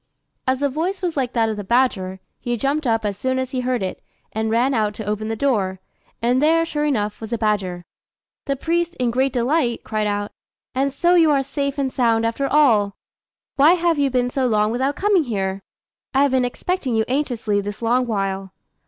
As the voice was like that of the badger, he jumped up as soon as he heard it, and ran out to open the door; and there, sure enough, was the badger. The priest, in great delight, cried out, "And so you are safe and sound, after all! Why have you been so long without coming here? I have been expecting you anxiously this long while."